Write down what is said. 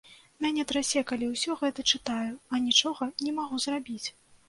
Мяне трасе, калі ўсё гэта чытаю, а нічога не магу зрабіць.